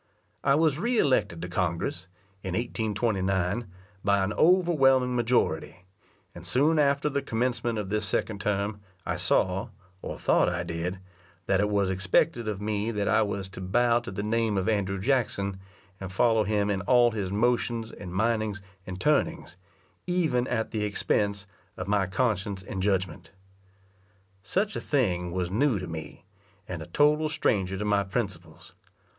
I was re elected to Congress, in 1829, by an overwhelming majority; and soon after the commencement of this second term, I saw, or thought I did, that it was expected of me that I was to bow to the name of Andrew Jackson, and follow him in all his motions, and mindings, and turnings, even at the expense of my conscience and judgment. Such a thing was new to me, and a total stranger to my principles.